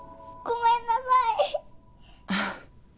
ごめんなさい。